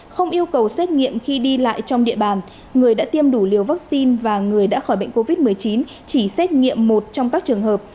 không yêu cầu xét nghiệm khi đi lại trong địa bàn người đã tiêm đủ liều vaccine và người đã khỏi bệnh covid một mươi chín chỉ xét nghiệm một trong các trường hợp